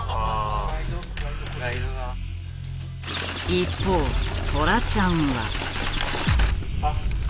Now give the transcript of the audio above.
一方トラちゃんは。